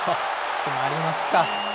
決まりました。